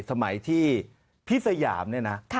สมัยที่พี่สยามเนี่ยนะ